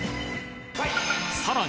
さらに